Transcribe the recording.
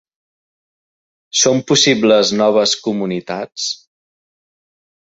Són possibles noves comunitats?